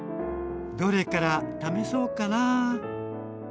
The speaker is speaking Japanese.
どれから試そうかな。